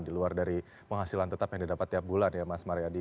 di luar dari penghasilan tetap yang didapat tiap bulan ya mas mariadi